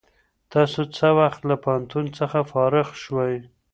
تاسو څه وخت له پوهنتون څخه فارغ شوئ؟